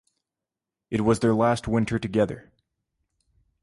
It was their last winter together.